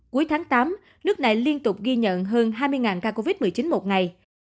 cuối tháng tám nước này liên tục ghi nhận hơn hai mươi ca covid một mươi chín một ngày